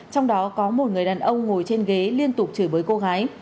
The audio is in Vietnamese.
trong đó có một người đàn ông ngồi trên ghế liên tục chửi bới cô gái